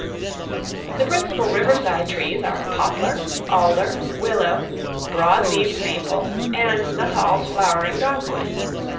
The principal river side trees are poplar, alder, willow, broad leaved maple, and Nuttall's flowering dogwood.